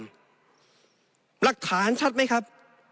หลักฐานชัดไหมครับ